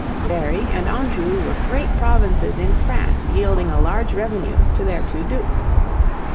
Berry and Anjou were great provinces in France yielding a large revenue to their two Dukes.